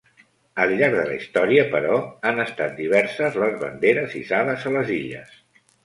Al llarg de la història però, han estat diverses les banderes hissades a les illes.